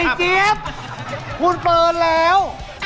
ไอ้เจี๊ยบคุณเปิร์นแล้ว